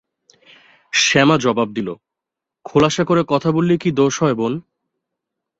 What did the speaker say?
শ্যামা জবাব দিলে, খোলসা করে কথা বললেই কি দোষ হয় বোন?